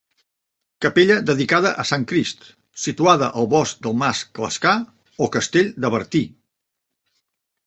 Capella dedicada a Sant Crist, situada al bosc del Mas Clascar o castell de Bertí.